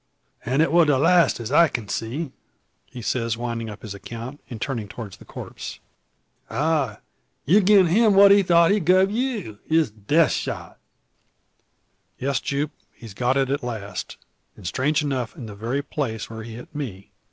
"An' it war the last, as I can see," he says, winding up his account, and turning towards the corpse. "Ah! you've gi'n him what he thought he'd guv you his death shot!" "Yes, Jupe. He's got it at last; and strange enough in the very place where he hit me.